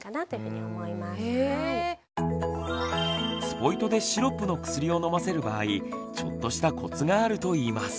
スポイトでシロップの薬を飲ませる場合ちょっとしたコツがあるといいます。